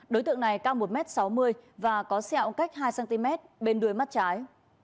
đối tượng này cao một m sáu mươi và có sẹo cách hai cm bên đuôi mắt trái